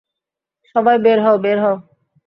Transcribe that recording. সবাই বের হও, বের হও!